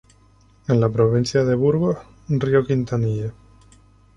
En la provincia de Burgos: Río Quintanilla.